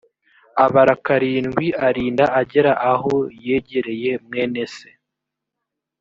abara karindwi arinda agera aho yegereye mwene se